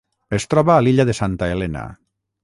Es troba a l'illa de Santa Helena.